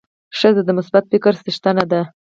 ښځه د مثبت فکر څښتنه ده.